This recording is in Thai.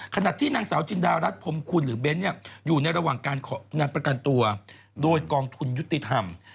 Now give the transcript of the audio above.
ขณะที่นางสาวจินดารัฐพรมคุณหรือเบ้นอยู่ในระหว่างการประกันตัวโดยกองทุนยุติธรรม